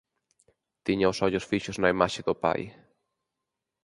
Tiña os ollos fixos na imaxe do pai.